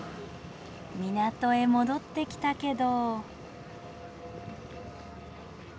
港へ戻ってきたけど。